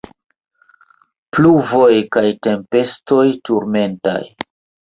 Pluvoj kaj tempestoj turmentaj.